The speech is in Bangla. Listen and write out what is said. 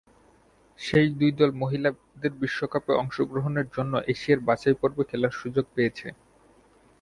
শেষ দুই দল মহিলাদের বিশ্বকাপে অংশগ্রহণের জন্য এশিয়ার বাছাইপর্বে খেলার সুযোগ পেয়েছে।